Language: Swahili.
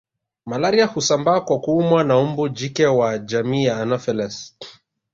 Malaria husambaa kwa kuumwa na mbu jike wa jamii ya anopheles